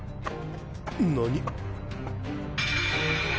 何？